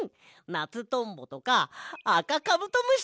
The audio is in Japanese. ナツトンボとかあかカブトムシとか！